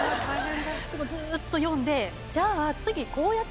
ずっと読んでじゃあ。